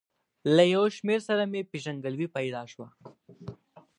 له یو شمېر سره مې پېژندګلوي پیدا شوه.